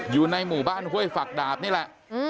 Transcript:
อยู่ในหมู่บ้านห้วยฝักดาบนี่แหละ